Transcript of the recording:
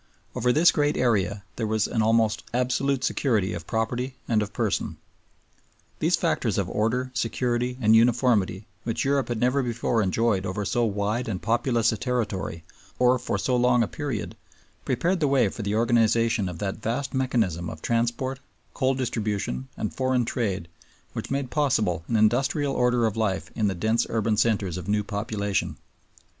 Over this great area there was an almost absolute security of property and of person. These factors of order, security, and uniformity, which Europe had never before enjoyed over so wide and populous a territory or for so long a period, prepared the way for the organization of that vast mechanism of transport, coal distribution, and foreign trade which made possible an industrial order of life in the dense urban centers of new population.